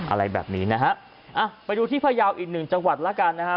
อะไรแบบนี้นะฮะอ่ะไปดูที่พยาวอีกหนึ่งจังหวัดแล้วกันนะฮะ